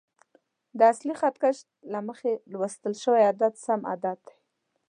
د اصلي خط کش له مخې لوستل شوی عدد سم عدد دی.